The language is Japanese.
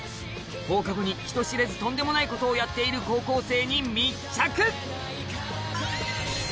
放課後に人知れずとんでもないことをやっている高校生に密着